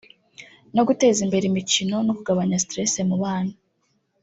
no guteza imbere imikino no kugabanya stress mu bana